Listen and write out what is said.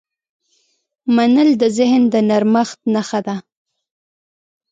منل د ذهن د نرمښت نښه ده.